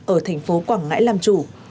ở thành phố quảng ngãi làm chủ